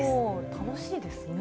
楽しいですね。